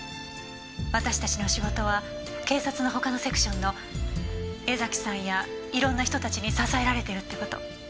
私たちの仕事は警察の他のセクションの江崎さんや色んな人たちに支えられてるって事。